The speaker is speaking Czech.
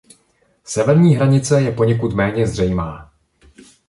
Severní hranice je poněkud méně zřejmá.